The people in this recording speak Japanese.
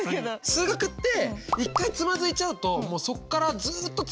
数学って一回つまずいちゃうともうそっからずっとつまずいていかない？